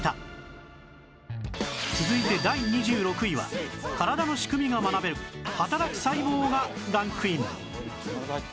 続いて第２６位は体の仕組みが学べる『はたらく細胞』がランクイン